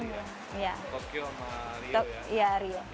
riau sama riau ya